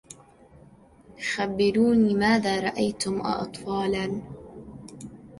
خبروني ماذا رأيتم أأطفالا